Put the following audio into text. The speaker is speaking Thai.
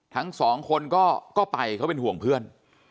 ทั้งสองคนก็ไปเขาเป็นห่วงเพื่อน